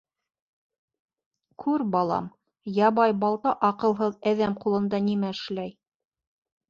— Күр, балам, ябай балта аҡылһыҙ әҙәм ҡулында нимә эшләй.